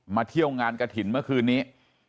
เที่ยวงานกระถิ่นเมื่อคืนนี้